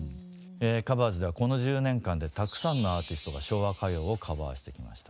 「カバーズ」ではこの１０年間でたくさんのアーティストが昭和歌謡をカバーしてきました。